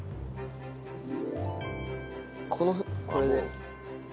この辺これで。